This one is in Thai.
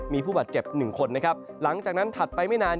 มีผู้บาดเจ็บ๑คนหลังจากนั้นถัดไปไม่นาน